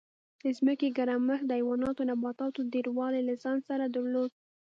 د ځمکې ګرمښت د حیواناتو او نباتاتو ډېروالی له ځان سره درلود